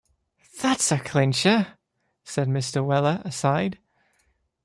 ‘That’s a clincher,’ said Mr. Weller, aside.